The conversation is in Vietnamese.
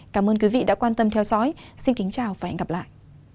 cảm ơn quý vị đã quan tâm theo dõi xin kính chào và hẹn gặp lại